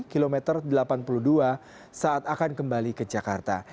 kilometer delapan puluh dua saat akan kembali ke jakarta